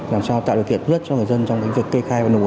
làm sao tạo được tiện huyết cho người dân trong cái việc kê khóa